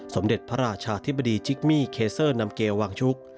สมเด็จพระราชาธิบดีจิกมี่เคเซอร์นำเกลวางชุก